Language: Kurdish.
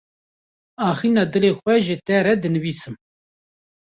Axîna dilê xwe ji te re dinivîsim.